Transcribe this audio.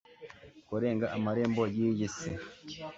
kurenga amarembo y'iyi si